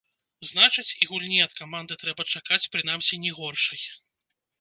Значыць, і гульні ад каманды трэба чакаць, прынамсі, не горшай.